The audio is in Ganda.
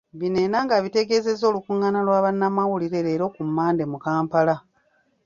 Bino Enanga abitegeezezza olukungaana lwa bannamawulire leero ku Mmande mu Kampala.